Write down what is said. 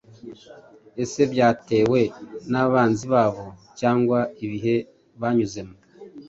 Ese byatewe n’abanzi babo, cyangwa ibihe banyuzemo,